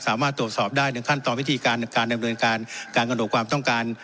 สามารถตรวจสอบได้ในขั้นตอนวิธีการในการดำเนินการการกำหนดความต้องการ